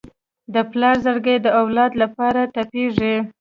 د پلار زړګی د اولاد لپاره تپېږي.